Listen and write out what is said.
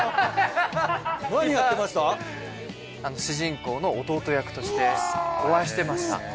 主人公の弟役としてお会いしてました。